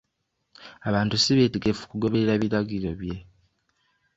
Abantu si beetegefu kugoberera biragiro bye.